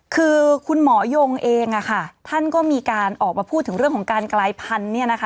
คือคุณหมอยงเองท่านก็มีการออกมาพูดถึงเรื่องของการกลายพันธุ์เนี่ยนะคะ